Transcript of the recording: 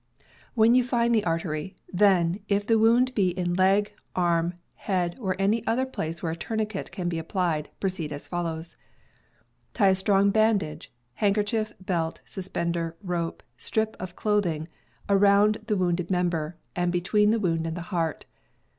When you find the artery, then, if the wound be in leg, arm, head, or any other place where a tourniquet can be applied, proceed as follows: Tie a strong bandage (handkerchief, belt, suspen der, rope, strip of clothing) around the wounded mem 302 CAMPING AND WOODCRAFT ber, and between the wound and the heart.